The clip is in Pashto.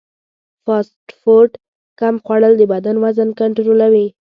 فاسټ فوډ کم خوړل د بدن وزن کنټرولوي.